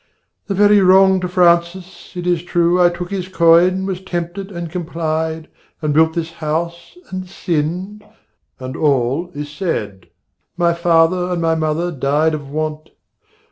The very wrong to Francis! it is true I took his coin, was tempted and complied, And built this house and sinned, and all is said. My father and my mother died of want.